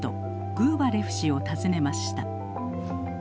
グーバレフ氏を訪ねました。